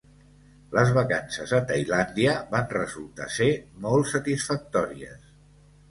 Les vacances a Tailàndia van resultar ser molt satisfactòries.